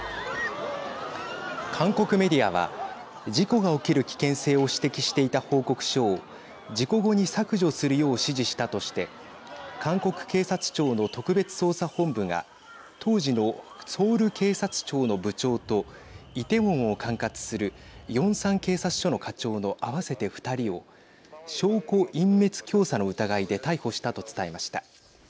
韓国メディアは事故が起きる危険性を指摘していた報告書を事後後に削除するよう指示したとして韓国警察庁の特別捜査本部が当時のソウル警察庁の部長とイテウォンを管轄するヨンサン警察署の課長の合わせて２人を証拠隠滅教唆の疑いで逮捕したと伝えました。